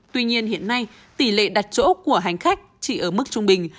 tuy nhiên hiện nay tỷ lệ đặt chỗ của hành khách chỉ ở mức trung bình